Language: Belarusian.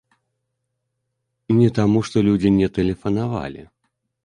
Не таму, што людзі не тэлефанавалі.